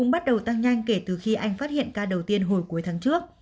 bộ tăng nhanh kể từ khi anh phát hiện ca đầu tiên hồi cuối tháng trước